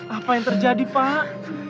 apa yang terjadi pak